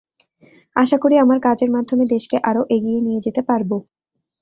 আশা করি, আমার কাজের মাধ্যমে দেশকে আরও এগিয়ে নিয়ে যেতে পারব।